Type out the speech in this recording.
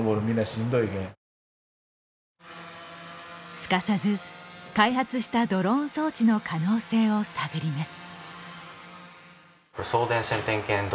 すかさず、開発したドローン装置の可能性を探ります。